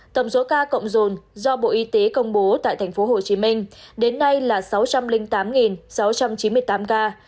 tổng số ca cộng rồn do bộ y tế công bố tại tp hcm đến nay là sáu trăm linh tám sáu trăm chín mươi tám ca